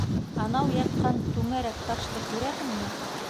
Анау ятҡан түңәрәк ташты күрәһеңме?